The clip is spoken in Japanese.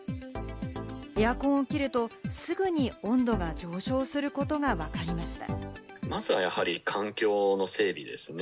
エアコンを切ると、すぐに温度が上昇することがわかりました。